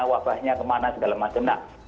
wabahnya kemana segala macam